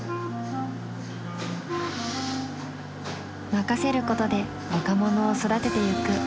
任せることで若者を育ててゆく。